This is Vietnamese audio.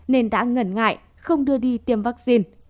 nên đã ngẩn ngại không đưa đi tiêm vaccine